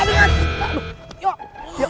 buktinya akur akur aja